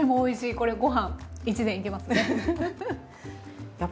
これご飯１膳いけますね。